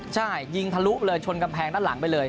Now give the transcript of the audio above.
ใช่ยิงทะลุเลยชนกำแพงด้านหลังไปเลย